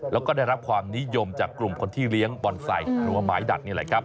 แล้วก็ได้รับความนิยมจากกลุ่มคนที่เลี้ยงบอนไซต์หรือว่าไม้ดัดนี่แหละครับ